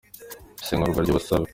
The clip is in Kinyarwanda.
Isesengura ry’ubusabe